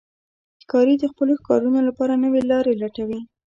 ښکاري د خپلو ښکارونو لپاره نوې لارې لټوي.